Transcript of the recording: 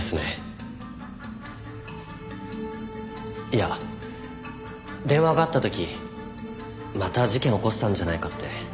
いや電話があった時また事件を起こしたんじゃないかって。